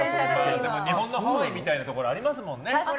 日本のハワイみたいなところありますもんね。